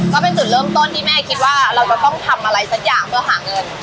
ก็เป็นจุดเริ่มต้นที่แม่คิดว่าเราจะต้องทำอะไรสักอย่างเพื่อหาเงิน